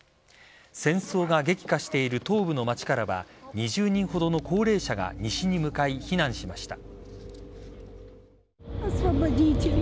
戦争が激化している東部の町からは２０人ほどの高齢者が西に向かい、避難しました。